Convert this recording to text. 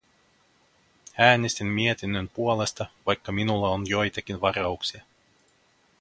Äänestin mietinnön puolesta, vaikka minulla on joitakin varauksia.